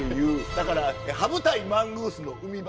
だからハブ対マングースの海版。